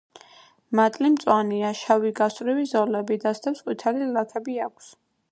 მატლი მწვანეა, შავი გასწვრივი ზოლები დასდევს და ყვითელი ლაქები აქვს.